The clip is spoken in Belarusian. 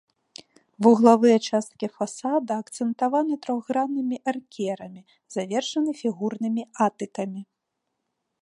Вуглавыя часткі фасада акцэнтаваны трохграннымі эркерамі, завершаны фігурнымі атыкамі.